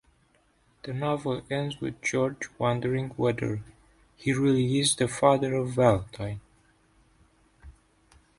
The novel ends with George wondering whether he really is the father of Valentine.